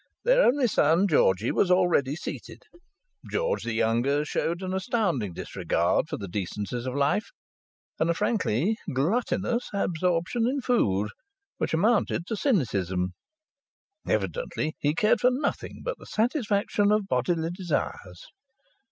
Their only son, Georgie, was already seated. George the younger showed an astounding disregard for the decencies of life, and a frankly gluttonous absorption in food which amounted to cynicism. Evidently he cared for nothing but the satisfaction of bodily desires.